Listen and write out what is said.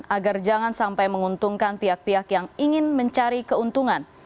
agar jangan sampai menguntungkan pihak pihak yang ingin mencari keuntungan